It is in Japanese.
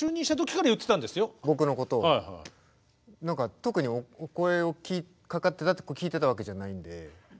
特にお声かかってたって聞いてたわけじゃないんで。